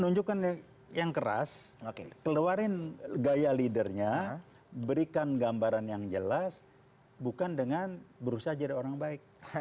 menunjukkan yang keras keluarin gaya leadernya berikan gambaran yang jelas bukan dengan berusaha jadi orang baik